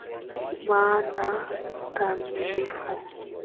Maana kamilifu